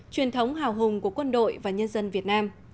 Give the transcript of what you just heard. truyền thống hào hùng của quân đội và nhân dân việt nam